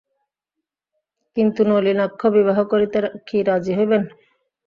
কিন্তু নলিনাক্ষ বিবাহ করিতে কি রাজি হইবেন?